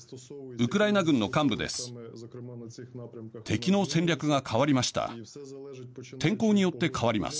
ウクライナ軍の幹部です。